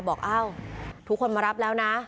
บอกทุกคนมารับแล้วนะ